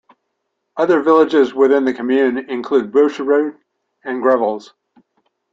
Other villages within the commune include Buschrodt and Grevels.